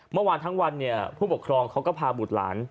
เมื่อวานทั้งวันเนี่ยผู้ปกครองเขาก็พาบุตรหลาน